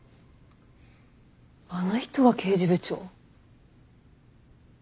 あの人が刑事部長。